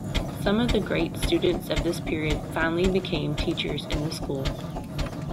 Some of the great students of this period finally became teachers in the school.